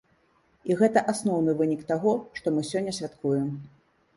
І гэта асноўны вынік таго, што мы сёння святкуем.